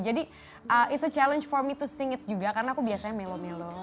jadi it's a challenge for me to sing it juga karena aku biasanya melo melo